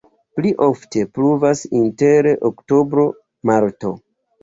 Pli ofte pluvas inter oktobro-marto.